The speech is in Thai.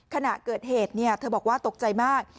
ขณะเกิดเหตุเธอบอกว่าตกใจมาก